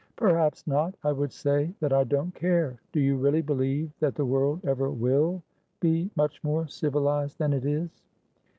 "Perhaps not. I would say that I don't care. Do you really believe that the world ever will be much more civilised than it is?